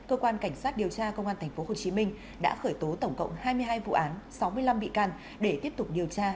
cơ quan cảnh sát điều tra công an tp hcm đã khởi tố tổng cộng hai mươi hai vụ án sáu mươi năm bị can để tiếp tục điều tra